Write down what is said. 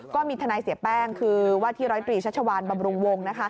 ก็มีทนายเสียแป้งคือว่าที่ร้อยตรีชัชวานบำรุงวง